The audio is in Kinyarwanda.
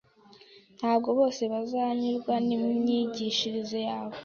ntabwo bose bazanyurwa n’imyigishirize yawe .